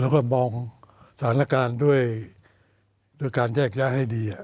แล้วก็มองสถานการณ์ด้วยการแยกย้ายให้ดี